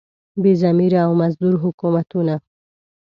بې ضمیره او مزدور حکومتونه.